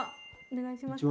お願いします。